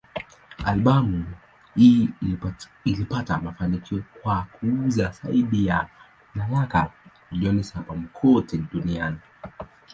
Albamu hii ilipata mafanikio kwa kuuza zaidi ya nakala milioni saba kote duniani.